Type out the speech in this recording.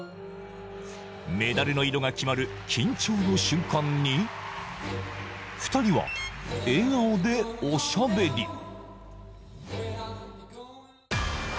メダルの色が決まる緊張の瞬間に、２人は笑顔でおしゃべり。